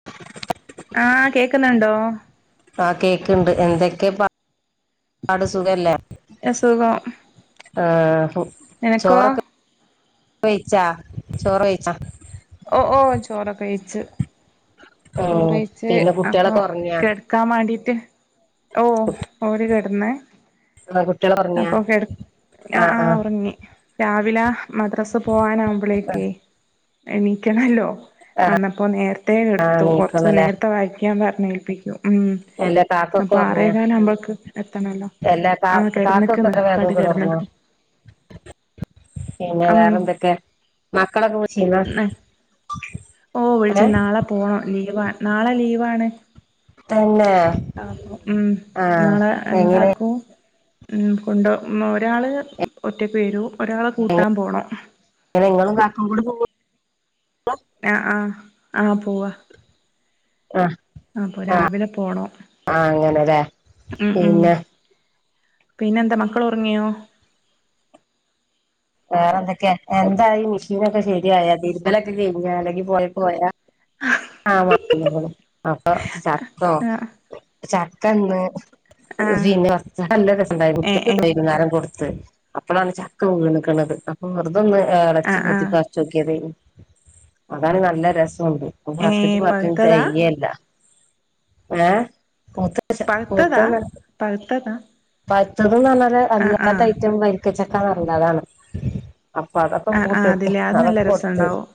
[inaudible] ആഹ് കേക്കുന്നുണ്ടോ ആഹ് കേക്ക്ണ്ട് എന്തൊക്കെ പാട് സുഖല്ലേ സുഖം ആഹ് നിനക്കോ ചോറൊക്കെ വെയ്ച്ച ചോറ് വെയ്ച്ച ഓഹ് ഓഹ് ചോറൊക്കെ കയ്ച്ച് ഉം ചോറയിച്ച് പിന്നെ അപ്പൊ കുട്ടികളൊക്കെ ഉറങ്ങിയാ കെട് ക്കാൻ മാണ്ടീട്ട് ഓഹ് ഓര് കെട്ന്ന് ആഹ് കുട്ട്യാളൊറങ്ങ്യ ആഹ് ആഹ് രാവിലെ മദ്രാസ് പോവാന ആവുമ്പോളേക്കെ എണീക്കണല്ലോ ആ അന്നപ്പോ നേർ പ്രത്യേകം ആ എടുത്തു കുറച്ച് നീക്കണല്ലേ നേരത്തെ വായിക്കാൻ പറഞ്ഞേൽപ്പിക്കും ഉം എല്ലാ കാക്കൊക്കെ അപ്പൊ ആറേ ഉറങ്ങിയാ കാലമ്പക്ക് എത്തണല്ലോ എല്ലാ കാ ആഹ് കാക്കൊക്കെ കെടന്ന്ക്ക്ന്ന് എത്ര വേഗ ഇപ്പണ്ട് ഒക്കെ ഒറങ്ങോ കെടന്ന്ക്ക് പിന്നെ വേറെ ഉം എന്തൊക്കെ മക്കളൊക്കെ വിളിച്ചീന്നാ? ഓഹ് ഏ വിളിച്ചി നാളെ പോണം ലീവാ നാളെ ലീവാണ് തെന്നെ ആക്കും ഉം നാളെ എങ്ങനെ എന്താക്കും ഉം കൊണ്ടാ ഒരാള് ഒറ്റക്ക് വെരും ഒരാളെ കൂട്ടാൻ പോണം ഇങ്ങളും കാക്കും കൂടി പോവു ആഹ് ആഹ് ആഹ് പോവാ ആ ആപ്പൊ രാവിലെ പോണോ ആണ്ലേ പിന്നെ പിന്നെന്താ മക്കള് ഒറങ്ങിയോ വേറെ എന്തൊക്കെയാ എന്തായി മിഷീനൊക്കെ ശരിയായ തിരുമ്പലൊക്കെ കെയിഞ്ഞാ അല്ലെങ്കിൽ പൊയെ പോയാ? ആഹ് [unintelligible] അപ്പൊ ചക്കോ ആഹ് ചക്കന്ന് ആഹ് പിന്നെ [unintelligible] നല്ല രസണ്ടായി ഏഹ് കുട്ട്യേക്ക് ഏഹ് വൈകുന്നേരം കൊടുത്ത് അപ്പോഴാണ് ചക്ക വീണ് ക്കണത് അപ്പൊ വെറ്തൊന്ന് എളച്ചി ആഹ് കൊത്തി ആഹ് പറച്ച് ച്ചോക്കിയതേനി അതാണ് നല്ല രസോണ്ട് അപ്പ ഏഹ് പറച്ചിട്ടും പറച്ചിട്ടും പഴുത്തതാ ചെയ്യല്ലാ ഏഹ് പഴുത്തതാ [unintelligible] പഴുത്തതാ പയ്ത്തത് ന്ന് പറഞ്ഞാല് ആഹ് അലിയാത്ത ആഹ് ഐറ്റം വരിക്കച്ചക്കാന്ന് പറയില്ലേ അതാണ് അപ്പൊ അതൊക്കെ ആഹ് ആഹ് കൂട്ട്യേക്ക് അതില്ലേ അത് നല്ല അതൊക്കെ കൊടുത്ത് രസണ്ടാവും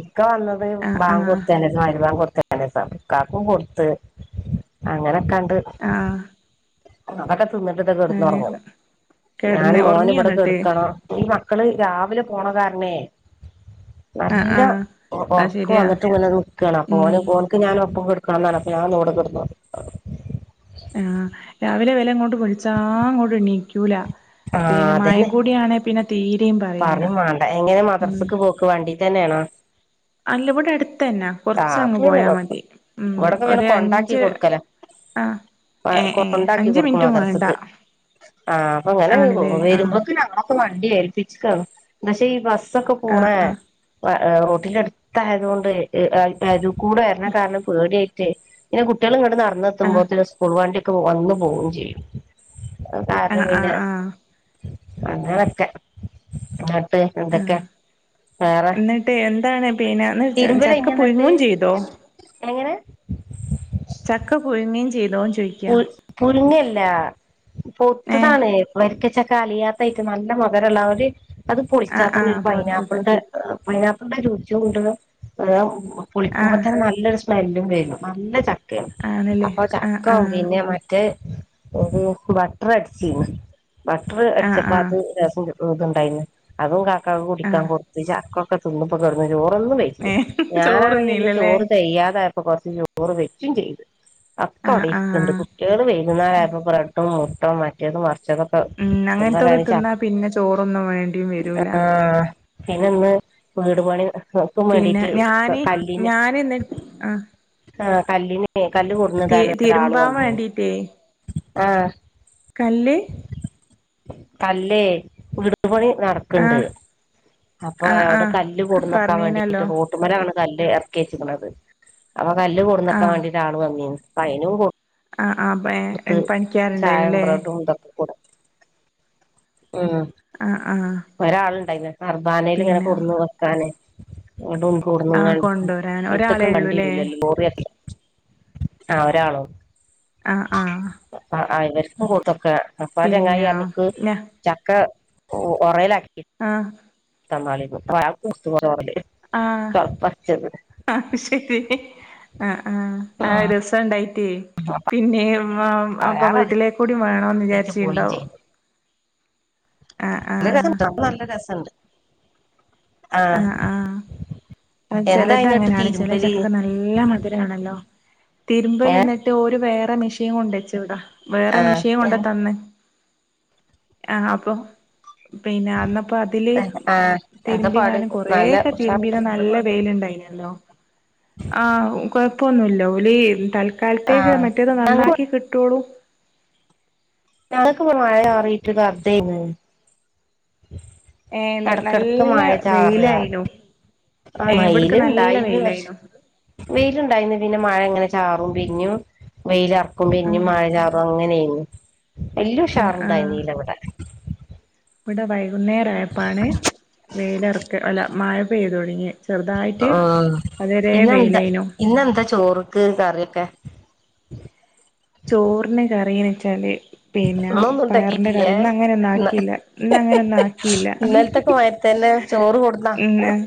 ഇക്ക വന്നത് ആഹ് ബാങ്ക് ആഹ് കൊടുത്തേനെ മഹരിബാങ്ക് കൊടുത്തേൻ്റെഷാണ് ഇക്കാക്കും കൊടുത്ത് അങ്ങനെയൊക്കങ്ങ് ട്ട് ആഹ് അതൊക്കെ തിന്നിട്ട് അങ്ങനെ കെടന്നൊറങ്ങണം ഞാന് കെടന്ന് മോന് ഒറങ്ങിയോ ഇവിടെ ന്നിട്ട് കെടക്കണം ഈ മക്കള് രാവിലെ പോണ കാരണേ ആഹ് നല്ല ആഹ് ഒ അത് ഒറക്ക് ശെരിയാ വന്നിറ്റ് ഇങ്ങനെ നിക്കാണ് അപ്പൊ ഉം ഓന് [unintelligible] ക്ക് ഞാനൊപ്പം കെടക്കണന്നാണ് അപ്പ ഞാ പറഞ്ഞ് ഇവിടെ കെടന്നോണ്ട് [unintelligible] ആഹ് രാവിലെ ഇവലെ ഇങ്ങോട്ട് വിളിച്ചാ ഇങ്ങോട്ട് എണീക്കൂലാ പിന്നെ മയിം കൂടിയാണെ പിന്നെ തീരേം പറ പറിം വേണ്ടാ എങ്ങനാ മദ്രസക്ക് പോക്ക് വണ്ടീത്തെന്നെയാണോ? അല്ല ഇവിടെ അടുത്തന്നെ ആഹ് അപ്പൊ കൊറച്ചങ്ങ് പിന്നെ പോയാ കൊഴപ്പ മതി ഉം ഇവിടൊക്കെ പിന്നെ ഒര് കൊണ്ടാക്കി അഞ്ച് കൊടുക്കലാ ആഹ് ഏഹ് ഏഹ് കൊണ്ടാക്കി അഞ്ച് കൊടുക്കും മിനിറ്റും മദ്രസക്ക് വേണ്ടാ ആഹ് അപ്പൊ ഇങ്ങനെ വെ വെരുമ്പ [unintelligible] വണ്ടി ഏൽപ്പിച്ച്ക്കാണ് പക്ഷെ ഈ ബസ്സൊക്കെ ആഹ് പോണെ ആഹ് വാ ഏഹ് റോട്ടിന്റെ അട്ത്തായതുകൊണ്ട് ഏഹ് അയിത്തെ അരൂ കൂടെ വരണ കാരണം പേടിയായിറ്റെ പിന്നെ കുട്ടികള് ഇങ്ങണ്ട് ആഹ് നടന്നെത്തുമ്പോത്തിന് സ്കൂൾ വണ്ടിയൊക്കെ വന്ന് പോവും ചെയ്യും കാരണം ആഹ് ആഹ് പിന്നെ ആഹ് അങ്ങനക്കെ [unintelligible] ആഹ് എന്നിട്ട് എന്താണ് പിന്നെ ഇന്നട് ച തിരുമ്പല് ചക്ക കഴിഞ്ഞോ എന്നിട്ട് പുയുങ്ങും ചെയ്തോ എങ്ങനെ ചക്ക പുയ്ങ്ങേ ചെയ്തോ ചോയി പുഴ് പുഴ്ങ്ങല്ലാ ഏഹ് പൊവ്ത്തതാണ് വരിക്കച്ചക്കാ അലിയാത്തായിറ്റം നല്ല മധുരള്ള ആ ഒര് പൊളിച്ചാ ആഹ് തന്നെ ആഹ് ഒരു പോത്തത് പൈനാപ്പിളിന്റെ ഏഹ് പൈനാപ്പിളിൻ്റെ രുചി [unintelligible] അത് പൊളിക്കുമ്പോ ആഹ് തന്നെ നല്ലൊരു സ്മെ സ്മെല്ലും വെരും നല്ല ചക് ആണ്ല്ലേ ആഹ് ആഹ് പിന്നെ മറ്റേ ഒര ബട്ടർ അടിച്ചീര്ന്ന് ബട്ടർ ആഹ് അടിച്ചപ്പോ ആഹ് അത് രസം ഇതുണ്ടായിന്ന് അതും കാക്കാക്ക് ആഹ് കുടിക്കാൻ കൊട് ചക്കൊക്കെ തിന്ന്പ്പം കെടന്ന് ചോറൊന്നും വെയിച്ചി ഏഹ് ഞാനാണെങ്കി ഇന്ന് ചോറുന്നീല്ലല്ലേ ചോറ് തെയ്യാതായ അപ്പം കൊറച്ച് ചോറ് വെക്കും ചെയ്ത് ആഹ് അവിടെണ്ട് ആഹ് കുട്ടികൾ വൈകുന്നായപ്പോ ബ്രെഡും മുട്ടയും മറ്റേത് മറച്ചൊക്ക ഉം എന്ത അങ്ങനത്തൊക്കെ കണിച്ച തിന്നാ പിന്നെ ചോറൊന്നും വേണ്ടിയും വരൂല ആഹ് പിന്ന ഇന്ന് വീട് പണി നോക്കും പിന്നെ വേണ്ടീട്ട് ഞാന് കല്ലിന് ഞാന് എന്നിട്ട് ആഹ് ആ കല്ലിന് കല്ല്ടു തി വാന് ഒരാള് തിരുമ്പാൻ വന്നിനു വേണ്ടീട്ടേ ആഹ് കല്ല് കല്ലേ വിടുപണി നടക്ക ണ്ട് ആഹ് അപ്പൊ ആഹ് അവിടെ ആഹ് കല്ല് കൊടുന്നു വക്കാൻ വേണ്ടിട്ട് പറഞ്ഞീനല്ലോ റോ ട്ടുമ്മരാണ് കല്ല് ഇറക്കിച്ചക്കുന്നത് അപ്പ കല്ല് കൊടുന്നക്കൻ ആഹ് വേണ്ടിട്ടാണ് ആ ള് വന്നീ നു പ അയിനു പോ ആഹ് ആഹ് പ ഇ ചായ പണിക്കാരുണ്ടായിരുന്നുല്ലേ ബ്രഡും ഇതൊക്കെ കൂ ഉം ആഹ് ആഹ് ഒരാളുണ്ടായിന്ന് അർബാനയിൽ ഇങ്ങനെ പിന്നെ കൊടന്ന് വെക്കാനെ വീടും ആഹ് കൂടുന്നങ്ങാണ്ട കൊണ്ടുവരാൻ ഒരാളെ മിറ്റക്കം വണ്ടി ഉള്ളൂല്ലേ വരല്ലല്ല ലോറിയക്ക ആഹ് ഒരാളോ ആഹ് ആഹ് അഹ് അഹ് ഇ വർക്കുംകൊണ്ട് കൊടുക്കെ അപ്പാ ചങ്ങായി പിന്നെ പറഞ്ഞക്ക് ഞ ചക്ക ഉറയിലാക്കി ആഹ് തന്നാളീന്ന് ഒരാൾക്ക് [unintelligible] ആഹ് ആത് ശരി ആഹ്ആഹ് ആ രസം ഉണ്ടായി പിന്നെ അപ്പൊ അയാള് വീട്ടിലേക്കൂടി വേണന്ന് അതേറ്റ് പോയിം വിചാരിച്ചുണ്ടാവോ ചെയ്ത് നല്ല ആഹ് രസണ്ട്അപ്പ നല്ല രസുണ്ട് ആഹ് ആഹ് ചിലത് എന്തായിന്നിട്ട് അങ്ങനെയാണ് ചില തിരുമ്പല് ചക്കൊക്കെ നല്ല മ ധുരണല്ലോ തിരുമ്പൽ ഏ എന്നിട്ട് ഒരു വേറെ മെഷീൻ കൊണ്ട വച്ചു ഇവിടാ വേറെ ആ മിഷൻ കൊണ്ട തന്ന് ആഹ്അപ്പൊ പിന്നെ അന്നപ്പോ അതില് എന്ത ആ എന്താ പാട് തിരുമ്പിങ്ങാനും കുറെ നല്ല ഒക്കെ ഉഷാറില്ല തിരുമ്പീന്ന നല്ല വെയിലുണ്ടായി നല്ലോ ആഹ്കൊഴപ്പൊന്നുല്ല ഓല് ആ തൽക്കാലത്തേക്ക് മറ്റേത് ഞങ്ങക്ക് നന്നാക്കി കി ട്ടോളു ഞങ്ങക്ക് ഇവടെ മഴ മാറിയിട്ട് [unintelligible] ഏഹ് ഇടക്കിടയ്ക്ക് നല്ല മഴ ചാറുക വെയിലായിനു ആ ഏഹ് ഇവിട്ക്ക് നല്ല വെയിലുണ്ടായിന്ന് പക്ഷെ വെയിലായിനു വെയിലുണ്ടായിന്ന് പിന്നെ മഴ ങ്ങനെ ചാറും പിന്നും വെയിലറക്കും ഉം പിന്നും മഴ ചാറും അ അങ്ങനെയന്ന് ആഹ് വെല്ല്യഉഷാർണ്ടായി ആഹ് നീലവിടെ ഇവിടെ വൈകുന്നേരമായപ്പാണ് വെയിലറക്ക അല്ല മഴ പെയ്തു തുടങ്ങിയത് ആഹ് ഇന്നെന്താ വെയിലേനു ഇന്നെന്താ ചോറ്ക്ക് കറിയൊക്കെ ചോറിന് കറിന്ന് വെച്ചാല് പിന്നെ ഇന്നൊന്നും പയറിന്റെ കറി ഉണ്ടാക്കീട്ടില്ലേ ഇന്ന അങ്ങനെ ഒന്നും ഇന്ന ആക്കില്ല ഇന്ന അങ്ങനെ ഒന്നും ആക്കിയില്ല ഇന്നലത്തൊക്കെ മാതിരി തന്നെ ചോറ് കൊടന്നാ ഉം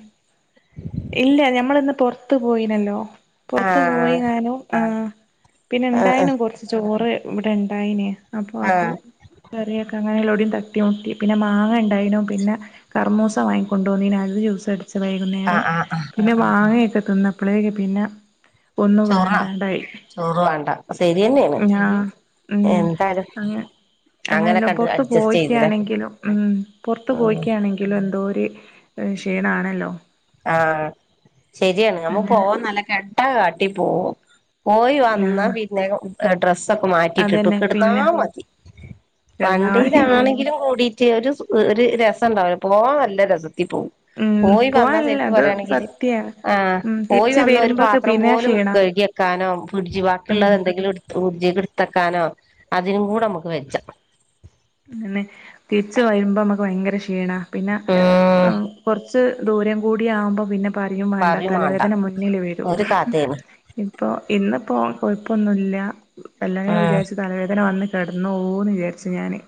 ഇല്ല ഞമ്മള് ന്ന് പുറത്ത് പോയിനല്ലോ പുറത്തു പോയി ആഹ് ഞാനും ആഹ് പിന്നെ ആഹ് ഇണ്ടായിന ആഹ് കൊറച്ച് ചോറ് ഇവിടെ ഇണ്ടായിനേ അപ്പൊ അതു ആഹ് കറിയൊക്കെ അങ്ങനെല്ലോടയും തട്ടി മുട്ടി പിന്നെ മാങ്ങ ഉണ്ടായിനും പിന്നെ കർമോസ വാങ്ങികൊണ്ടുവന്നിനു അത് ജ്യൂസടി ച്ച് വൈകുന്നേരം ആഹ് ആഹ് ആഹ് പിന്നെ മാങ്ങയൊക്കെ തിന്നപ്പോഴേക്ക പിന്നെ ഒന്നും ചോറാ വേണ്ടാണ്ടായി ചോറ് വേണ്ടാ ശരിയന്നെയാണ് ഞാ ഉം എന്തായാലും അങ്ങ അങ്ങനെയല്ല അങ്ങനൊക്കെ കണ്ട് പുറത്ത് അഡ്ജസ്റ്റ് ചെയ്തില്ലേ പോയിക്കുകയാണെങ്കിലും ഉം പുറത്ത് ഉം പോയിയ്ക്കുകയാണെങ്കി ഇലോന്തോര് ക്ഷീണണല്ലോ ആഹ് ശരിയാണ് ഞമ്മ അങ്ങനെ പോവാ നല്ല കെട്ടാ കാട്ടി പോകും പോയി വന്നാ ആഹ് പിന്നെ ഡ്രസ്സൊക്കെ മാറ്റിട്ടിട്ട് അതന്നെ കെടന്നാ പിന്നെ മതി കിടന്നാ മതി തോന്നും വണ്ടിയിലാണെങ്കിലും കൂടിട്ട് ഒരു ഒരു രസംണ്ടാവില്ല പോവാ നല്ല രസത്തി പോവും ഉം പോയി വന്ന പോവാനില്ല നേര്ക്ക് അത് പറയുകയാണെങ്കില് സത്യ ആഹ് ഉം പോയി തിരിച്ച് വന്ന് ഒരു വരുമ്പോക്കെ പാത്രം പിന്നെ പോലും ക്ഷീണ കഴുകി ക്കാനോ ഫ്രിഡ്ജി ഉം ബാക്കിയുള്ളത് എന്തെങ്കിലും ട്ത്ത് ഫഡ്ജിക്ക് ടുത്തെക്കാനോ അതിനും കൂടെ നമക്ക് വെജ്ജ ന്ന് തിരിച് വരുമ്പോ നമ്മക്ക് ഭയങ്കര ക്ഷീണ പിന്നെ ഉം കൊറച്ച് ദൂരം കൂടിയാകുമ്പോ പിന്നെ പറിയും വേണ്ട പറയും മാണ്ട തലവേദന മുന്നില് വരും ഒരു കഥയാണ് ഇപ്പൊ ഇന്നിപ്പോ കൊഴപ്പൊന്നുല്ല എല്ല ഞാൻ ഉം വിചാരിച്ച് തലവേദന വന്നി കിടന്നോവോന്ന് വിചാരിച്ചു ഞാന്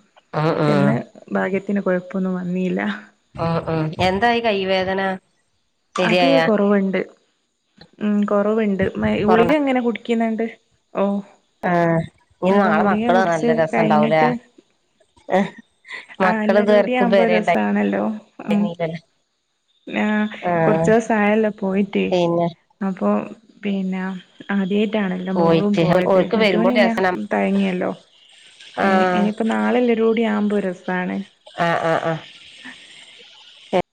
ഉം ഉം ചെന്ന് ഭാഗ്യത്തിന് കുഴപ്പമൊന്നും വന്നില്ല അ ആഹ് എന്തായി കൈ വേദന അത് ശരിയായാ കൊറവുണ്ട് ഉം കൊറവുണ്ട് മ കൊറ ഗുളിക ങ്ങനെ കുടി ക്കേനെണ്ട് ഓഹ് ആഹ് ഇനി അപ്പൊ നാളെ ഗുളിക മക്കള് നല്ല കുടിച്ച് രസണ്ടാവൂലേ കഴിഞ്ഞിട്ട് ആഹ് മക്കള് എല്ലരൂടി ഇതുവരക്കും ആവുമ്പോ പേരെ രസണല്ലോ ഉം ഉണ്ടായില്ലല്ലോ ആഹ് ആഹ് കുറചൂസം ആയല്ലോ പോയിട്ടേ പിന്നെ അപ്പൊ പിന്നെ ആദ്യയിട്ടാണല്ലോ മോളും പോയിട്ട് പോയത് ഓർക്ക് മറ്റോന് വരുമ്പോ പിന്നെ രസന തയങ്ങിയല്ലോ ആഹ് അപ്പോ നാളെല്ലാരൂടി ആവുമ്പോ രസണ് ആഹ് ആഹ് ആഹ്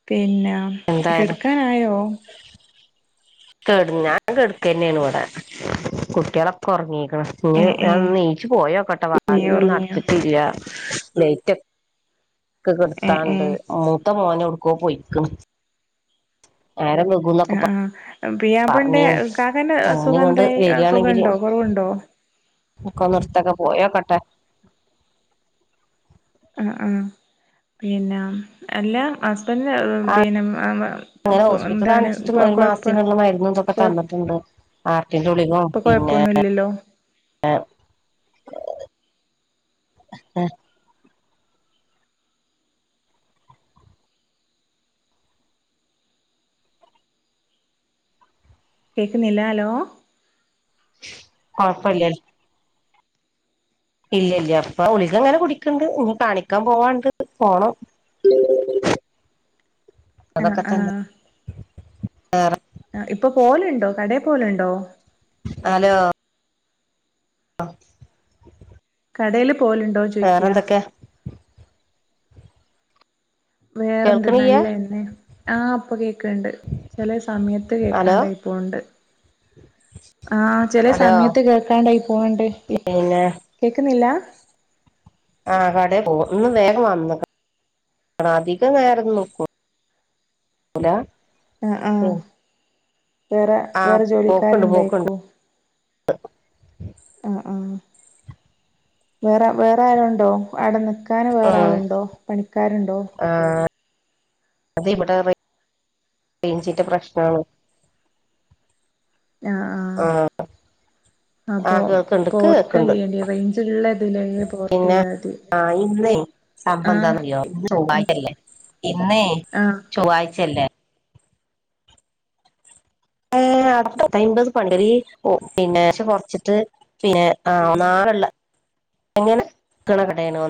പിന്നെ എന്തായാലും കെടക്കാനായോ കെട് ഞാൻ കെടക്കന്നെയാണ് ഇവിടെ കുട്ടികളൊക്കെ ഉറങ്ങീക്ക്ണ് ഏ ഇഞ്ഞ് ഏ ഞാനൊന്ന് നീച്ച് പോയോക്കട്ടെ ഏ വതിലൊന്നും ഒറങ്ങിയോ അടച്ചിട്ടില്ല ക്ക് ഏ കിട്ടാണ്ട് ഏ മൂത്ത മോന് ഒട്കോ പൊയിക്ക്ണ് നേര വെ അഹ് ആഹ് പുയ്യപ്പളന്റെ കാക്കാൻ്റെ ഓന് അസുഖ ഇങ്ങോട്ട് എന്തായി വരിയാണെങ്കില് സുഖണ്ടോ കൊറവ്ണ്ടോ പോയോക്കട്ടെ [unintelligible] അ ആഹ് പിന്നെ അല്ലാ ഹസ്ബൻഡ്റെ ആ പിന്നെ അങ്ങനെ ഹോസ്പിറ്റൽ എന്താണ് ഇപ്പം കുഴപ്പ കൊഴ ഇണ്ട് ആർട്ടിന്റെ ഉള്ളിലു ഇപ്പൊ പിന്നെ കൊഴപ്പൊന്നുല്ലല്ലോ എ [unintelligible] കേക്കുന്നില്ല ഹലോ കോഴപ്പല്ല ഇല്ലല്ല ഇപ്പ ഉളികങ്ങനെ കുടിക്ക്ണ്ട് ഇനി കാണിക്കാൻ പോവാണ്ട് പോണം ആഹ് അതൊക്കെ തന്നെ ആഹ് [unintelligible] ആഹ് ഇപ്പൊ പോവല്ണ്ടോ കടെ പോവല്ണ്ടോ അലോ ആ കടേല് പോവല്ണ്ടോ ചോയ്ക്ക വേറെന്തൊക്കെ വേറെന്ത് കേൾക്കണിയ്യ നല്ലതന്നെ ആഹ് ഇപ്പ കേൾക്ക്ണ്ണ്ട് ചെല സമയത്ത് ഹലോ കേൾക്കാണ്ടായി പ്പോവ്ണ്ട് ആഹ് ചെല ഹലോ സമയത്ത് കേക്കാണ്ടായി പോണ്ട് പിന്നെ കേക്ക്ണില്ല ആഹ് കടെ പോന്ന് ഇന്ന് വേഗം വന്ന അധികം നേര ന്നും നിക്കുല ഉല അഹ് ആഹ് വേറെ ആ വേറെ പോക്ക്ണ്ട് പോക്ക്ണ്ട് ജോലിക്കാര്ണ്ടേയ്ക്കും ആഹ് ആഹ് വേറെ വേറെ ആരോണ്ടോ അവ്ടെ നിക് ക്കാന് വേറാള്ണ്ടോ പണിക്കാര്ണ്ടോ ആഹ് അതിവ്ടെ റെയ് റെയ്ഞ്ചിന്റെ പ്രശ്നാണ് ആഹ് അപ്പോ കേക്ക്ണ്ട് പോർട്ടെയ്യെണ്ടി റെയ്ഞ്ച്ള്ളെ എതിലെങ്കിലും പിന്നെ പോർട്ടെയ്താതി ആഹ് ഇന്നേ സംഭവെന്താന്നറിയോ ഇന്ന് ചൊവ്വായ്ച്ചെല്ലേ ഇന്നേ ആഹ് ചൊവ്വായ്ച്ചെല്ലേ ഏഹ് അട് ത്തയ്മ്പത്പ്പെണ്ടെടീ പിന്നേ ക്ഷെ കൊർച്ച്ട്ട് പിന്നെ ആഹ് നാളെള്ളെ എങ്ങെനെ ക്ക്ണെ കടേണോന്ന്